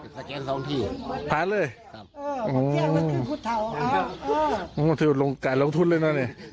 สแกน๒ที่พันธุ์เลยครับอ๋ออ๋อมหัวถูกการลงทุนเลยนะเนี่ย